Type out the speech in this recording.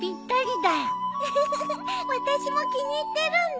フフフ私も気に入ってるんだ。